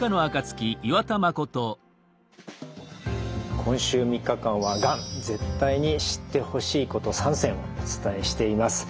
今週３日間は「がん絶対に知ってほしいこと３選」お伝えしています。